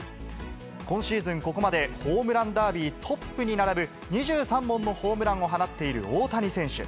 今シーズン、ここまでホームランダービートップに並ぶ、２３本のホームランを放っている大谷選手。